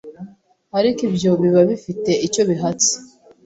ariko ibyo biba bifite icyo bihatse,